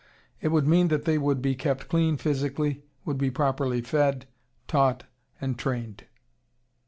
It would mean that they would be kept clean physically, would be properly fed, taught, and trained."